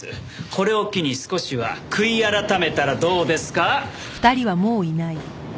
これを機に少しは悔い改めたらどうですか？